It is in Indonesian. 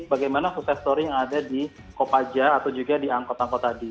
bagaimana sukses story yang ada di kopaja atau juga di angkot angkot tadi